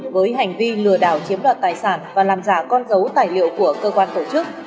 với hành vi lừa đảo chiếm đoạt tài sản và làm giả con dấu tài liệu của cơ quan tổ chức